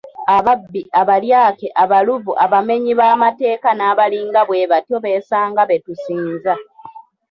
Ababbi, abalyake, abaluvu, abamenyi b'amateeka n'abalinga bwebatyo besanga betusinza.